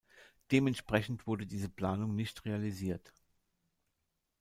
Dementsprechend wurde diese Planung nicht realisiert.